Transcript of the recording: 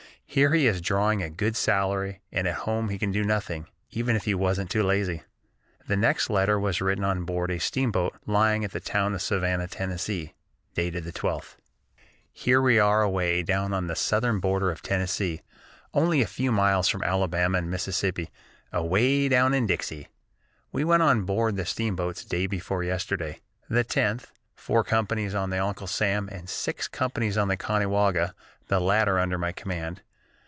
Here he is drawing a good salary, and at home he can do nothing, even if he wasn't too lazy." The next letter was written on board a steamboat lying at the town of Savannah, Tennessee, dated the 12th: "Here we are away down on the southern border of Tennessee, only a few miles from Alabama and Mississippi, 'away down in Dixie.' We went on board the steamboats day before yesterday, the 10th, four companies on the Uncle Sam, and six companies on the Conewaga, the latter under my command.